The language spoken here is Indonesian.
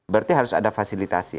berarti harus ada fasilitasi